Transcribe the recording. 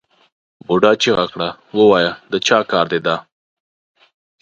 بوډا چیغه کړه ووایه د چا کار دی دا؟